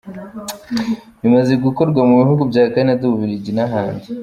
Bimaze gukorwa mu bihugu bya Canada, u Bubiligi, n’ahandi.